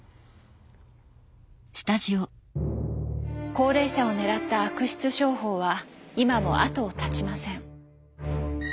高齢者を狙った悪質商法は今もあとを絶ちません。